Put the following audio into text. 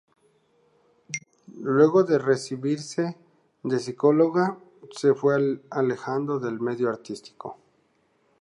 Luego de recibirse de psicóloga se fue alejando del medio artístico.